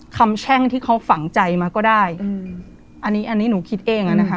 แช่งที่เขาฝังใจมาก็ได้อืมอันนี้อันนี้หนูคิดเองอ่ะนะคะ